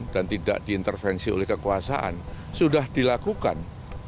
dan tidak diintervensi oleh kekuasaan sudah dilakukan